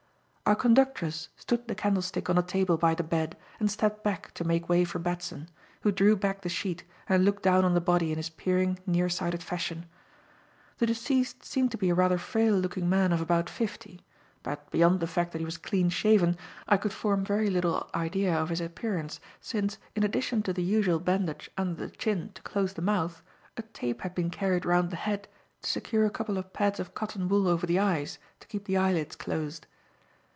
Our conductress stood the candlestick on a table by the bed and stepped back to make way for Batson, who drew back the sheet and looked down on the body in his peering, near sighted fashion. The deceased seemed to be a rather frail looking man of about fifty, but, beyond the fact that he was clean shaven, I could form very little idea of his appearance, since, in addition to the usual bandage under the chin to close the mouth, a tape had been carried round the head to secure a couple of pads of cotton wool over the eyes to keep the eyelids closed.